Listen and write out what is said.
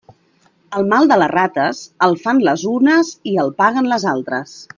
El mal de les rates, el fan les unes i el paguen les altres.